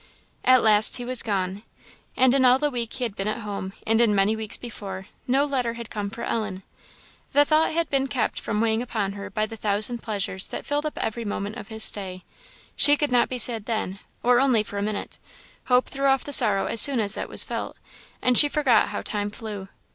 At last he was gone. And in all the week he had been at home, and in many weeks before, no letter had come for Ellen. The thought had been kept from weighing upon her by the thousand pleasures that filled up every moment of his stay; she could not be sad then, or only for a minute; hope threw off the sorrow as soon as it was felt; and she forgot how time flew.